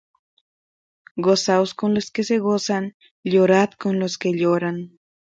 Gozaos con los que se gozan: llorad con los que lloran.